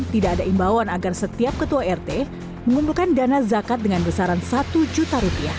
tidak ada imbauan agar setiap ketua rt mengumpulkan dana zakat dengan besaran satu juta rupiah